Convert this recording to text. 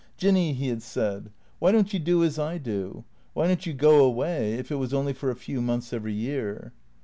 " Jinny," he had said, "why don't you do as I do? Why don't you go away, if it was only for a few months every year